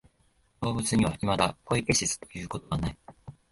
動物にはいまだポイエシスということはない。